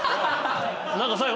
何か最後。